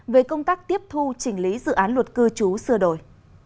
về công tác tiếp thu chỉnh lý dự án luật cư trú sửa đổi